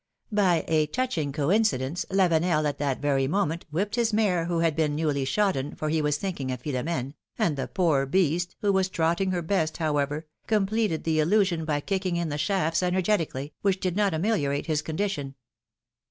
By a touching coincidence Lavenel at that very moment whipped his mare who had been newly shodden, for he was thinking of Philomene, and the poor beast, who Avas trotting her best however, completed the illusion by kicking in the shafts energetically, which did not ameliorate his condition.